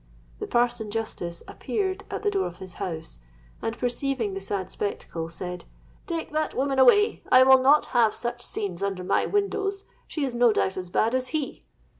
The parson justice appeared at the door of his house; and, perceiving the sad spectacle, said, 'Take that woman away: I will not have such scenes under my windows. She is no doubt as bad as he.'